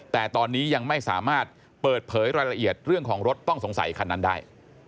แต่ตอนนี้ยังไม่สามารถเปิดเผยรายละเอียดเรื่องของรถต้องสงสัยคันนั้นได้